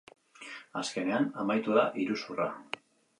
Azkenean, amaitu da iruzurra.